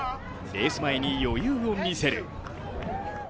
レース前に余裕を見せる。